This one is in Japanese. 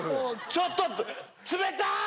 ちょっと、冷たーい！